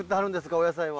お野菜は。